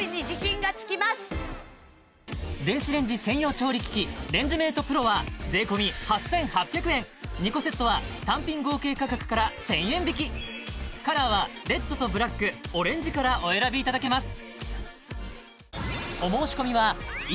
電子レンジ専用調理機器レンジメートプロは税込８８００円２個セットは単品合計価格から１０００円引きカラーはレッドとブラックオレンジからお選びいただけます